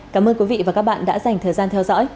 cảm ơn quý vị và các bạn đã dành thời gian theo dõi